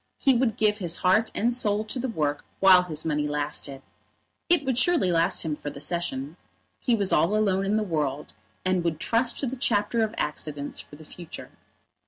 He would give his heart and soul to the work while his money lasted. It would surely last him for the Session. He was all alone in the world, and would trust to the chapter of accidents for the future.